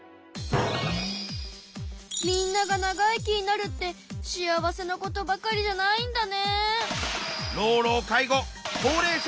みんなが長生きになるって幸せなことばかりじゃないんだね。